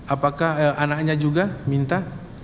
apakah anaknya juga minta